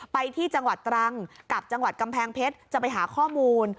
ไปที่จังหวัดตรังกับจังหวัดกำแพงเพชรจะไปหาข้อมูล